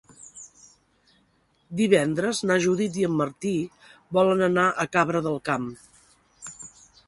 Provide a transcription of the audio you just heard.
Divendres na Judit i en Martí volen anar a Cabra del Camp.